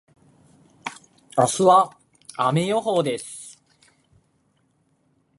明日は雨予報です。